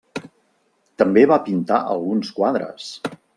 També va pintar alguns quadres.